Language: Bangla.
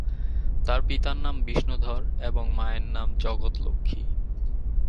তার পিতার নাম বিষ্ণু ধর এবং মায়ের নাম জগৎ লক্ষ্মী।